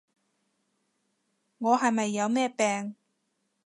我係咪有咩病？